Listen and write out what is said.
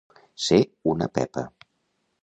Ser una pepa.